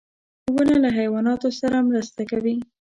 • ونه له حیواناتو سره مرسته کوي.